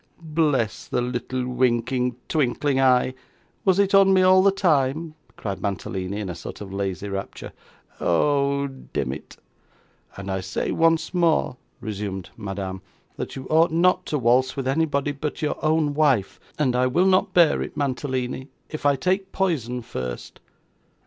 'Bless the little winking twinkling eye; was it on me all the time!' cried Mantalini, in a sort of lazy rapture. 'Oh, demmit!' 'And I say once more,' resumed Madame, 'that you ought not to waltz with anybody but your own wife; and I will not bear it, Mantalini, if I take poison first.